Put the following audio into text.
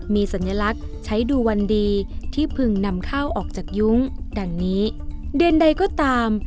มีสัญลักษณ์ใช้ดูวันดีที่พึงนำข้าวออกจากยุ้งดังนี้เดือนใดก็ตาม